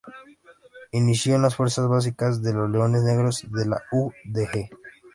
Inició en las fuerzas básicas de los Leones Negros de la U. de G..